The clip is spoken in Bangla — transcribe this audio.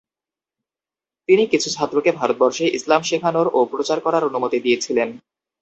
তিনি কিছু ছাত্রকে ভারতবর্ষে ইসলাম শেখানোর ও প্রচার করার অনুমতি দিয়েছিলেন।